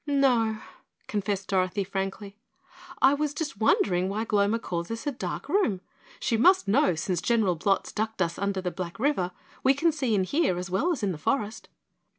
"No," confessed Dorothy frankly, "I was just wondering why Gloma calls this a dark room. She must know since General Blotz ducked us under the Black River we can see in here as well as in the forest."